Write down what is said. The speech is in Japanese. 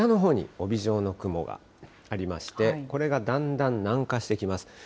北のほうに帯状の雲がありまして、これがだんだん南下してきます。